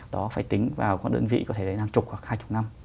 đó phải tính vào các đơn vị có thể là một mươi hoặc hai mươi năm